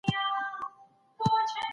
شکه خو بې تېروتنې